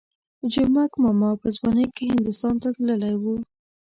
جومک ماما په ځوانۍ کې هندوستان ته تللی وو.